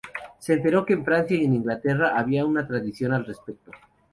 Se enteró de que en Francia y en Inglaterra había una tradición al respecto.